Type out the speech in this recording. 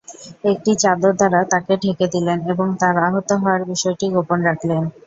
একটি চাদর দ্বারা তাঁকে ঢেকে দিলেন এবং তাঁর আহত হওয়ার বিষয়টি গোপন রাখলেন।